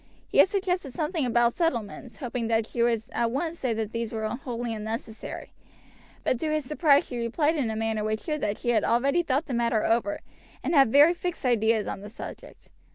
He had suggested something about settlements, hoping that she would at once say that these were wholly unnecessary; but to his surprise she replied in a manner which showed that she had already thought the matter over, and had very fixed ideas on the subject.